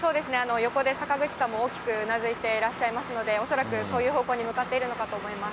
横で坂口さんも大きくうなずいていらっしゃいますので、恐らくそういう方向に向かっているのかと思います。